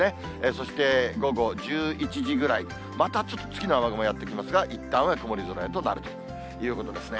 そして午後１１時ぐらい、またちょっと次の雨雲やって来ますが、いったんは曇り空へとなるということですね。